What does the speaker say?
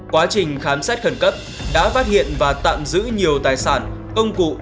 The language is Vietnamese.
quá trình khám xét khẩn cấp đã phát hiện và tạm giữ nhiều tài sản công cụ